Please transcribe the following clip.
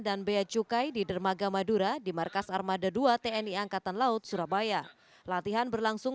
dan bea cukai di dermaga madura di markas armada dua tni angkatan laut surabaya latihan berlangsung